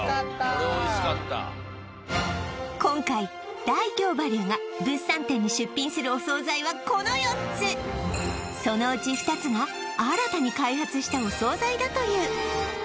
これおいしかった今回ダイキョーバリューが物産展に出品するお惣菜はこの４つそのうち２つが新たに開発したお惣菜だという